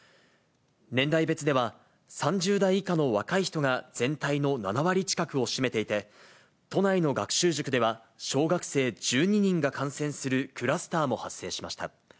年代別では、３０代以下の若い人が全体の７割近くを占めていて、都内の学習塾では、小学生１２人が感染するクラスターも発生しました。